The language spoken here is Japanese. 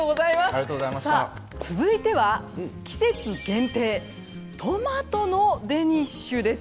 続いては季節限定トマトのデニッシュです。